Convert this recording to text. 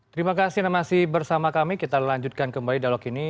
terima kasih bersama kami kita lanjutkan kembali dialog ini